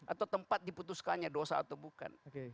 atau tempat diputuskannya dosa atau bukan